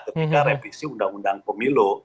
ketika revisi undang undang pemilu